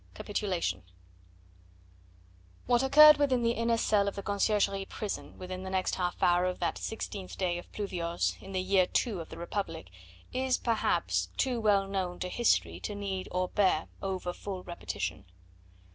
CAPITULATION What occurred within the inner cell of the Conciergerie prison within the next half hour of that 16th day of Pluviose in the year II of the Republic is, perhaps, too well known to history to need or bear overfull repetition.